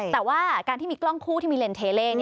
แต่ว่าการที่มีกล้องคู่ที่มีเลนเทเล่